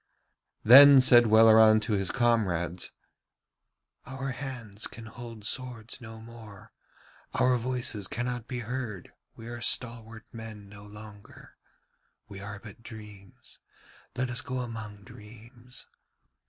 Then said Welleran to his comrades: 'Our hands can hold swords no more, our voices cannot be heard, we are stalwart men no longer. We are but dreams, let us go among dreams.